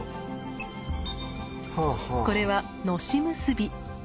これは「のし結び」。